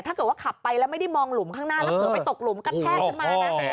ถ้าเกิดว่าขับไปแล้วไม่ได้มองหลุมข้างหน้าแล้วเผลอไปตกหลุมกระแทกขึ้นมานะ